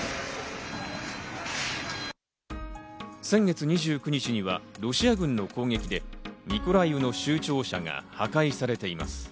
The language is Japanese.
先月２９日にはロシア軍の攻撃でミコライウの州庁舎が破壊されています。